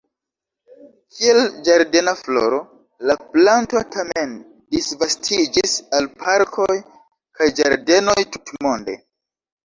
Kiel ĝardena floro, la planto tamen disvastiĝis al parkoj kaj ĝardenoj tutmonde.